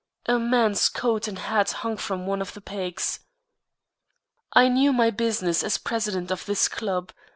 A man's coat and hat hung from one of the pegs. I knew my business as president of this club.